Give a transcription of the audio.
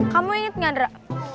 kamu inget gak drak